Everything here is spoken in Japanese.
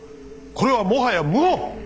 これはもはや謀反！